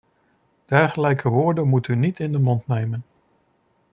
Dergelijke woorden moet u niet in de mond nemen.